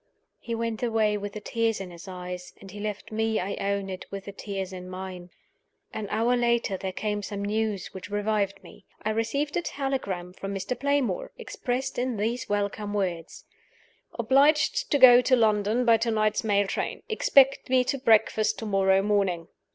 He went away with the tears in his eyes; and he left me, I own it, with the tears in mine. An hour later there came some news which revived me. I received a telegram from Mr. Playmore, expressed in these welcome words: "Obliged to go to London by to night's mail train. Expect me to breakfast to morrow morning."